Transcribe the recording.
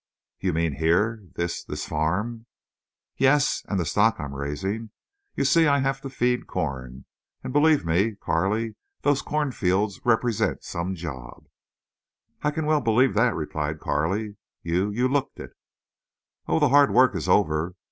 "You mean here—this—this farm?" "Yes. And the stock I'm raisin'. You see I have to feed corn. And believe me, Carley, those cornfields represent some job." "I can well believe that," replied Carley. "You—you looked it." "Oh, the hard work is over.